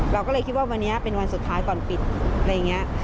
เราก็เลยคิดว่าวันนี้เป็นวันสุดท้ายก่อนปิดอะไรอย่างนี้